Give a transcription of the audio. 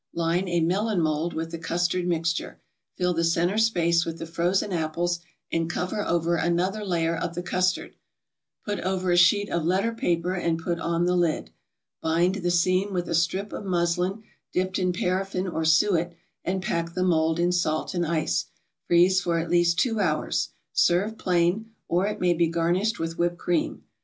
Line a melon mold with the custard mixture, fill the centre space with the frozen apples, and cover over another layer of the custard; put over a sheet of letter paper and put on the lid. Bind the seam with a strip of muslin dipped in paraffin or suet, and pack the mold in salt and ice; freeze for at least two hours. Serve plain, or it may be garnished with whipped cream.